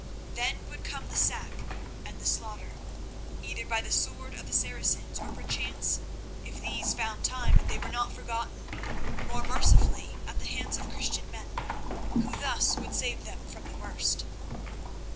Then would come the sack and the slaughter, either by the sword of the Saracens, or, perchance, if these found time and they were not forgotten, more mercifully at the hands of Christian men, who thus would save them from the worst.